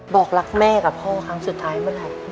บอกรักแม่กับพ่อครั้งสุดท้ายเมื่อไหร่